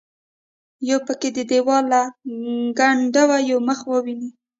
یو پکې د دیواله له کنډوه یو مخ وویني.